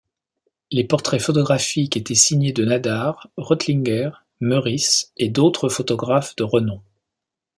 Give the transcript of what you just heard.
Les portraits photographiques étaient signés de Nadar, Reutlinger, Meurisse et d'autres photographes de renom.